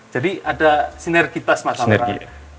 jadi ada sinergitas mas amra